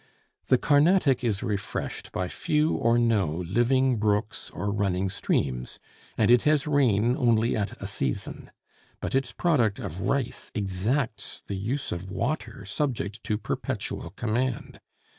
The Carnatic is refreshed by few or no living brooks or running streams, and it has rain only at a season; but its product of rice exacts the use of water subject to perpetual command.